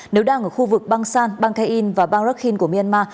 nếu đang ở khu vực bang san bang kain và bang rakhine của myanmar